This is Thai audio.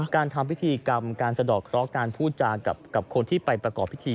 การทำพิธีกรรมการสะดอกเคราะห์การพูดจากับคนที่ไปประกอบพิธี